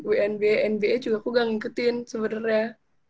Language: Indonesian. wnba nba juga aku gak ngikutin sebenernya